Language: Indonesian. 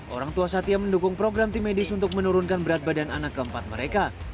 orang tua satya mendukung program tim medis untuk menurunkan berat badan anak keempat mereka